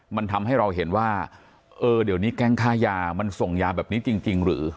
มันทำให้เราเห็นว่าเออเดี๋ยวนี้แก๊งค้ายามันส่งยาแบบนี้จริงหรือ